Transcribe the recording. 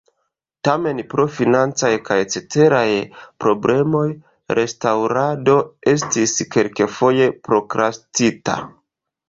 Tamen pro financaj kaj ceteraj problemoj restaŭrado estis kelkfoje prokrastita.